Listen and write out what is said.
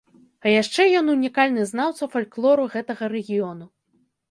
А яшчэ ён унікальны знаўца фальклору гэтага рэгіёну.